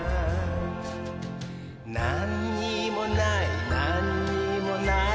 なんにもないなんにもない